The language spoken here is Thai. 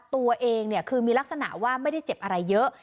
ตัวเองเนี่ยคือมีลักษณะว่าไม่ได้เจ็บอะไรเยอะ